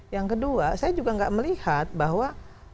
yang kedua saya juga nggak melihat bahwa